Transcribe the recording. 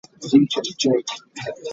Abaana bagenda kujja naye abamu bakyuse.